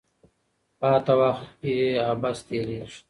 پاته وخت يي عبث تيريږي.